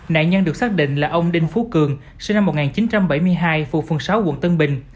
nạn nhân được xác định là ông đinh phú cường sinh năm một nghìn chín trăm bảy mươi hai phụ phường sáu quận tân bình